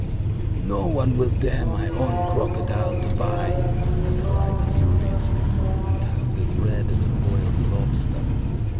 "No one will dare my own crocodile to buy!" he cried furiously, and turned as red as a boiled lobster.